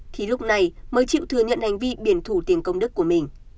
thì lúc này mới chịu thừa nhận hành vi biển thủ tiền công đức của mình